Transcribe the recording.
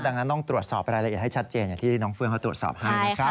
ดังนั้นต้องตรวจสอบรายละเอียดให้ชัดเจนอย่างที่น้องเฟื่องเขาตรวจสอบให้นะครับ